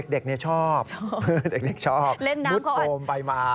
เด็กเนี่ยชอบมุดโฟมไปมา